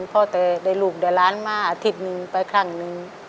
พ่อแต่ได้ลูกได้ล้านมาอาทิตย์หนึ่งไปครั้งหนึ่ง